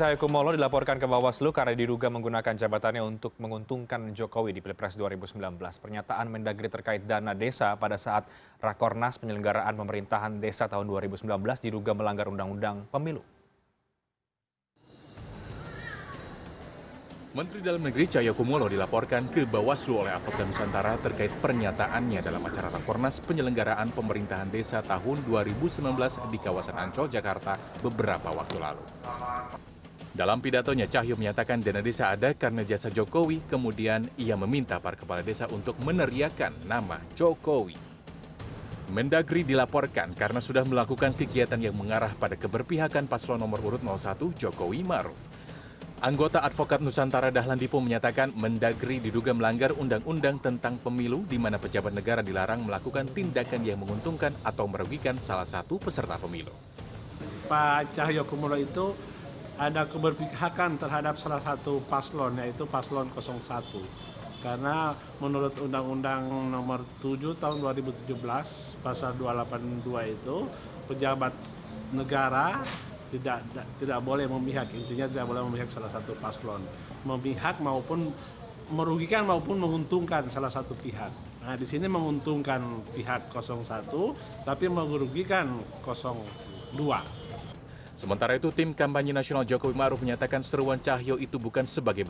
yang memang sejak awal diprediksi berlangsung ketat ataupun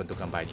sengit